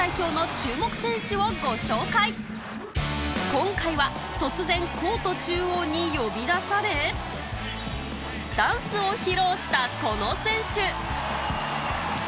今回は突然コート中央に呼び出されダンスを披露したこの選手